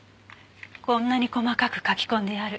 こんなに細かく書き込んである。